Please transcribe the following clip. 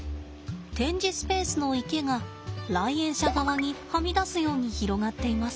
展示スペースの池が来園者側にはみ出すように広がっています。